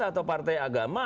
atau partai agama